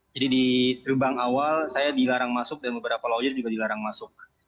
jadi di terbang awal saya dilarang masuk dan beberapa laujer juga dilarang masuk